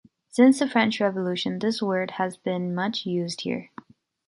Since the French Revolution this word has been much used here.